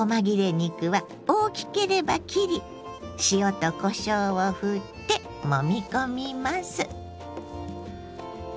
肉は大きければ切り塩とこしょうをふってもみ込みます。